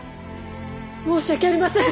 申し訳ありません！